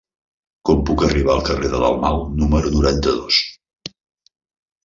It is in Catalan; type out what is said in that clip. Com puc arribar al carrer de Dalmau número noranta-dos?